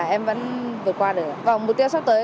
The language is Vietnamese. em vẫn vượt qua được mục tiêu sắp tới